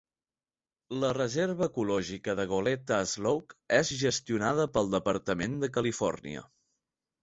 La Reserva Ecològica de Goleta Slough és gestionada pel departament de Califòrnia.